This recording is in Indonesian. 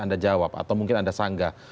anda jawab atau mungkin anda sanggah